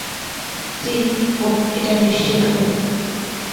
চীন এটা নিশ্চিত করবে।